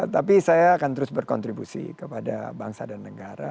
tapi saya akan terus berkontribusi kepada bangsa dan negara